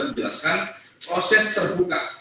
menjelaskan proses terbuka